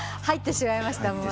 入ってしまいました？